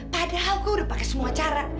padahal kau udah pakai semua cara